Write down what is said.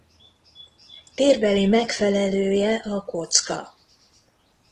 Térbeli megfelelője a kocka.